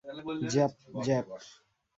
Zap, zap!